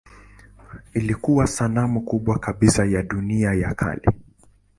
Ilikuwa sanamu kubwa kabisa ya dunia ya kale.